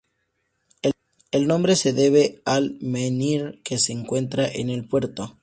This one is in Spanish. El nombre se debe al menhir que se encuentra en el puerto.